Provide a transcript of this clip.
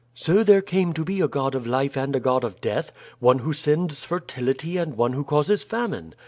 "So there came to be a god of life and a god of death, one who sends fertility and one who causes famine.